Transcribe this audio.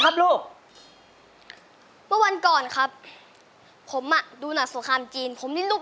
ขอบคุณน้องคุณคำน้องคุณประจำที่ครับลูก